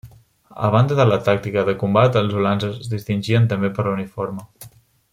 A banda de la tàctica de combat, els ulans es distingien també per l'uniforme.